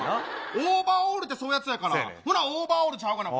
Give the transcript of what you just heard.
オーバーオールって、そういうやつやから、ほな、オーバーオールちゃうやないか。